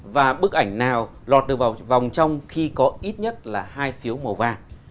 và bức ảnh nào lọt được vào vòng trong khi có ít nhất là hai phiếu màu vàng